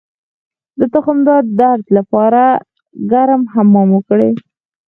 د تخمدان د درد لپاره ګرم حمام وکړئ